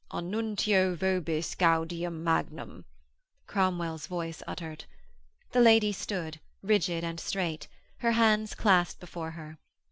'Annuntio vobis gaudium magnum,' Cromwell's voice uttered. The lady stood, rigid and straight, her hands clasped before her.